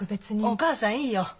お母さんいいよ。